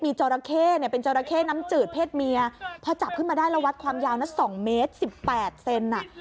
จราเข้เนี่ยเป็นจราเข้น้ำจืดเพศเมียพอจับขึ้นมาได้แล้ววัดความยาวนะสองเมตรสิบแปดเซนอ่ะ